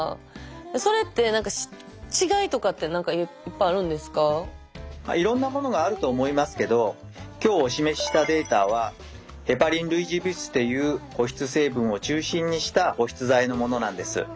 それと塗り方ですがそれって何かいろんなものがあると思いますけど今日お示ししたデータはヘパリン類似物質っていう保湿成分を中心にした保湿剤のものなんです。